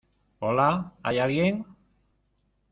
¿ hola? ¿ hay alguien ?